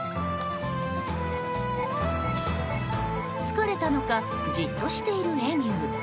疲れたのかじっとしているエミュー。